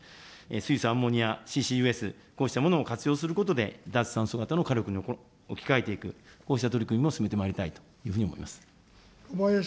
水素、アンモニア、ＣＣＵＳ、こうしたものも活用していく中で、脱炭素型の火力に置き換えていく、こうした取り組みも進めてまいりたいというふうに思います。